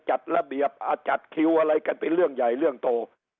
จัดระเบียบจัดคิวอะไรกันเป็นเรื่องใหญ่เรื่องโต